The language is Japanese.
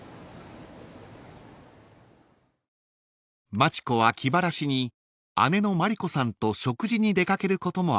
［町子は気晴らしに姉の毬子さんと食事に出掛けることもありました］